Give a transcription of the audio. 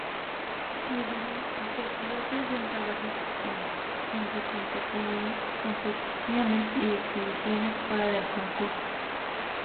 El festival presenta varias secciones, entre competiciones y exhibiciones fuera de concurso.